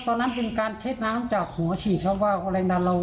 ตอนนั้นเป็นการเทสต์น้ำจากหัวฉีด